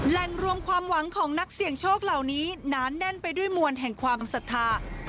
แหล่งรวมความหวังของนักเสี่ยงโชคเหล่านี้หนาแน่นไปด้วยมวลแห่งความศรัทธา